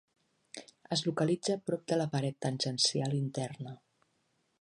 Es localitza prop de la paret tangencial interna.